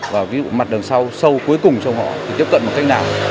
và ví dụ mặt đường sau sâu cuối cùng trong họ thì tiếp cận một cách nào